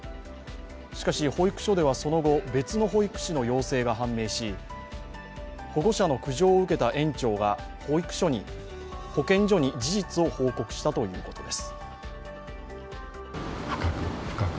しかし、保育所ではその後、別の保育士の要請が判明し保護者の苦情を受けた園長が保健所に事実を報告したということです。